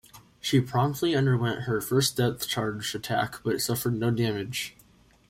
She promptly underwent her first depth charge attack but suffered no damage.